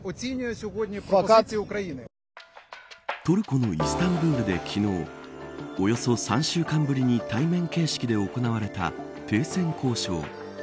トルコのイスタンブールで昨日およそ３週間ぶりに対面形式で行われた停戦交渉。